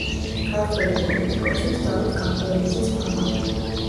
ქართველი პოლიტიკოსის დავით გამყრელიძის მამა.